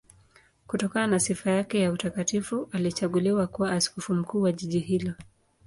Kutokana na sifa yake ya utakatifu alichaguliwa kuwa askofu mkuu wa jiji hilo.